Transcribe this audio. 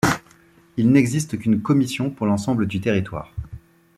Il n'existe qu'une commission pour l'ensemble du territoire.